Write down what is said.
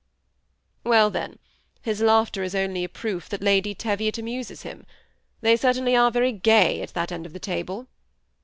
" Well, then, his laughter is only a proof that Lady Teviot amuses him; they certainly are very gay at that end of the table."